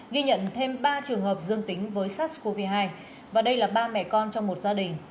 ghi nhận thêm ba trường hợp dương tính với sars cov hai và đây là ba mẹ con trong một gia đình